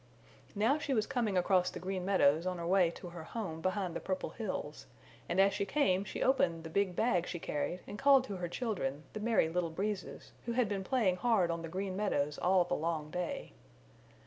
Now she was coming across the Green Meadows on her way to her home behind the Purple Hills, and as she came she opened the big bag she carried and called to her children, the Merry Little Breezes, who had been playing hard on the Green Meadows all the long day.